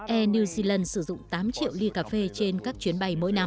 air new zealand sử dụng tám triệu ly cà phê trên các chuyến bay mỗi năm